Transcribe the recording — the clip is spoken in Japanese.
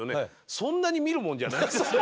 そんなに見るもんじゃないですね。